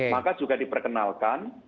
maka juga diperkenalkan